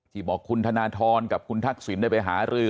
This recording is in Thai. บอกคุณธนทรกับคุณทักษิณได้ไปหารือ